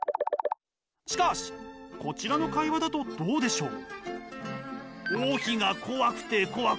しかしこちらの会話だとどうでしょう？